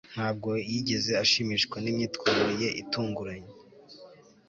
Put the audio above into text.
ntabwo yigeze ashimishwa nimyitwarire ye itunguranye